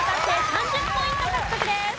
３０ポイント獲得です。